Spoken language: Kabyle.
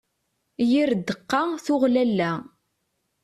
Yir ddeqqa tuɣ lalla.